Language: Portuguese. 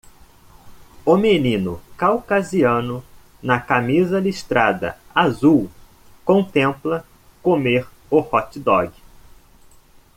O menino caucasiano na camisa listrada azul contempla comer o hotdog.